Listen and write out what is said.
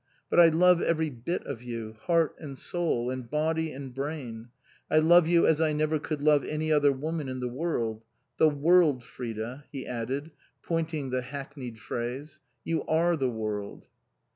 But I love every bit of you heart and soul, and body and brain ; I love you as I never could love any other woman in the world the world, Frida," he added, pointing the hackneyed phrase. " You are the world."